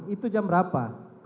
itu jam berapa